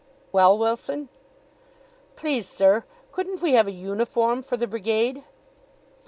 "Well, Wilson?" "Please, sir, couldn't we have a uniform for the Brigade?"